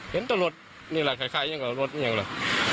เห็นตัวรถนี่ล่ะคล้ายอย่างกับรถนี่เหรอ